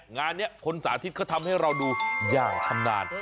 งานนี้คนสาธิตเขาทำให้เราดูอย่างชำนาญ